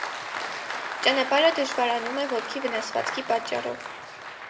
Ճանապարհը դժվարանում է ոտքի վնասվածքի պատճառով։